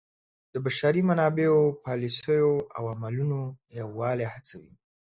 د بشري منابعو پالیسیو او عملونو یووالی هڅوي.